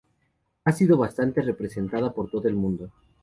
Ha sido bastante representada por todo el mundo.